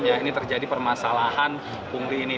ya ini terjadi permasalahan pungli ini